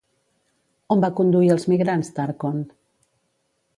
On va conduir els migrants, Tarcont?